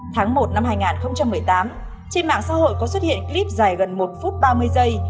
tháng một năm hai nghìn một mươi tám trên mạng xã hội có xuất hiện clip dài gần một phút ba mươi giây